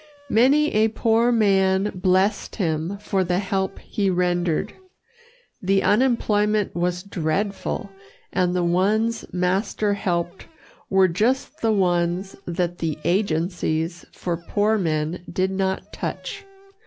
Many a poor man blessed him for the help he rendered. The unemployment was dreadful, and the ones master helped were just the ones that the agencies for poor men did not touch.